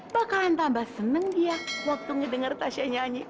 bakalan tambah seneng dia waktu ngedenger tasya nyanyi